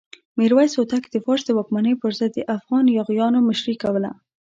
میرویس هوتک د فارس د واکمنۍ پر ضد د افغان یاغیانو مشري کوله.